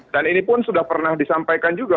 dan ini pun sudah pernah disampaikan juga